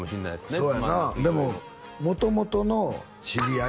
そうやなでも元々の知り合い？